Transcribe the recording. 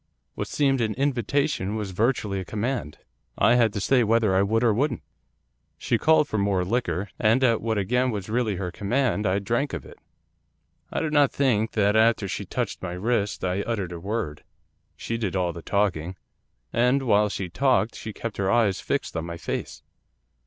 What seemed an invitation was virtually a command. I had to stay whether I would or wouldn't. She called for more liquor, and at what again was really her command I drank of it. I do not think that after she touched my wrist I uttered a word. She did all the talking. And, while she talked, she kept her eyes fixed on my face.